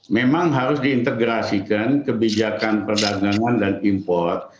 memang harus diintegrasikan kebijakan perdagangan dan import